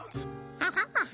アハハハ？